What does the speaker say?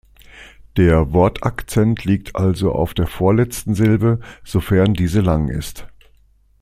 Der Wortakzent liegt also auf der vorletzten Silbe, sofern diese lang ist.